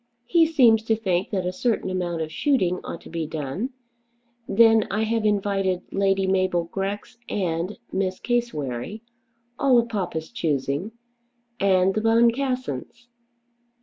He seems to think that a certain amount of shooting ought to be done. Then I have invited Lady Mabel Grex and Miss Cassewary, all of papa's choosing, and the Boncassens.